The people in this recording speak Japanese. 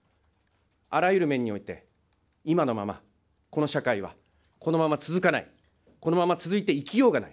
あらゆる面において、今のままこの社会はこのまま続かない、このまま続いていきようがない。